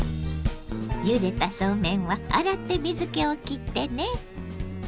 ゆでたそうめんは洗って水けをきってね。